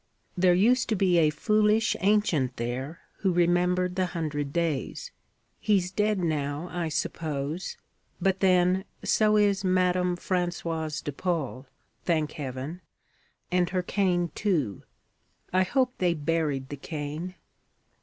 There used to be a foolish ancient there who remembered the Hundred Days. He's dead now, I suppose but then, so is Madame Françoise de Paule, thank Heaven, and her cane, too. I hope they buried the cane.